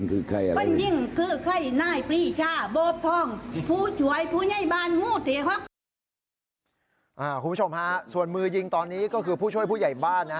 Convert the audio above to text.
คุณผู้ชมฮะส่วนมือยิงตอนนี้ก็คือผู้ช่วยผู้ใหญ่บ้านนะ